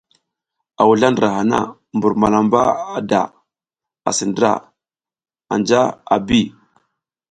A wuzla ndra hana, mbur malamba da asi ndra anja a bi.